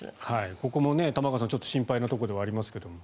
ここも玉川さん心配なところではありますが。